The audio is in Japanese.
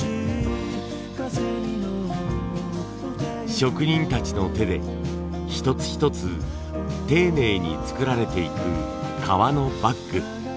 職人たちの手で一つ一つ丁寧に作られていく革のバッグ。